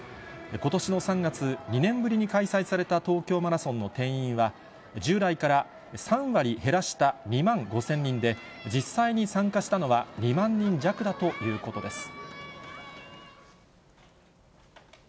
ことしの３月、２年ぶりに開催された東京マラソンの定員は、従来から３割減らした２万５０００人で、実際に参加したのは２万人弱だということです。